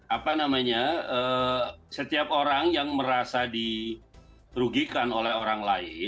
apa namanya setiap orang yang merasa dirugikan oleh orang lain